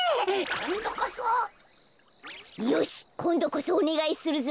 こんどこそおねがいするぞ。